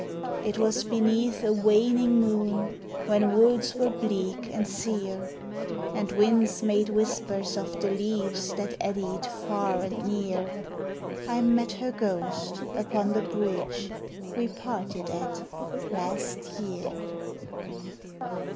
It was beneath a waning moon when woods were bleak and sear, And winds made whispers of the leaves that eddied far and near, I met her ghost upon the bridge we parted at last year.